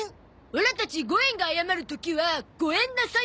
オラたち５円が謝る時は「ごえんなさい」だゾ。